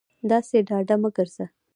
داسې ډاډه مه گرځه